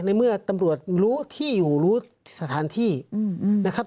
ในเมื่อตำรวจรู้ที่อยู่รู้สถานที่นะครับ